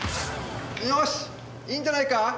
よしいいんじゃないか？